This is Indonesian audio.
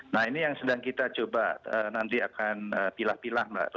nah ini yang sedang kita coba nanti akan pilah pilah mbak